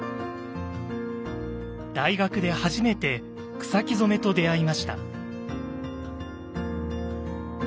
大学で初めて草木染めと出会いました。